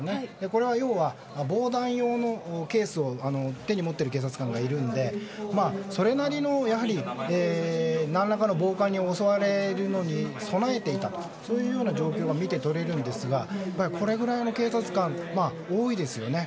これは要は、防弾用のケースを手に持っている警察官がいるのでそれなりの何らかの暴漢に襲われるのに備えていたという状況が見てとれるんですがこれぐらいの警察官多いですよね。